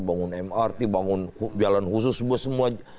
bangun mrt bangun jalan khusus semua